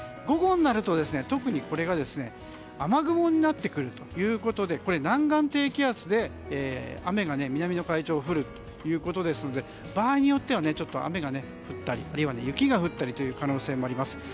午後になると、特にこれが雨雲になってくるということで南岸低気圧で雨が南の海上に降るということですので場合によっては雨が降ったりあるいは雪が降ったりという可能性もあります。